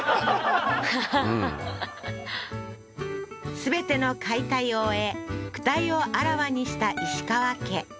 全ての解体を終え駆体をあらわにした石川家